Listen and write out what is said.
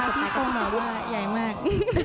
เมื่อคนตาพี่โคมหรอวะใหญ่มาก